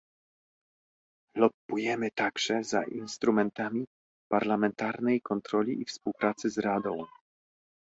Lobbujemy także za instrumentami parlamentarnej kontroli i współpracy z Radą